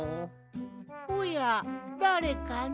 ・おやだれかの？